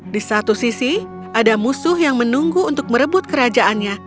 di satu sisi ada musuh yang menunggu untuk merebut kerajaannya